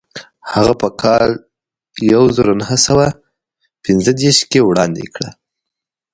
هغه په کال یو زر نهه سوه پنځه دېرش کې وړاندې کړه.